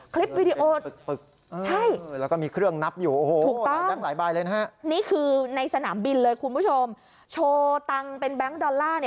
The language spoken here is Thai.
คลิปวีดีโอใช่ถูกต้องนี่คือในสนามบิลเลยคุณผู้ชมโชว์ตังเป็นแบงค์ดอลลาร์